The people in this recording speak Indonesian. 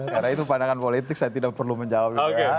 karena itu pandangan politik saya tidak perlu menjawab